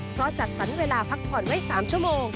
เพราะจัดสรรเวลาพักผ่อนไว้๓ชั่วโมง